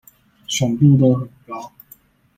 爽度都很高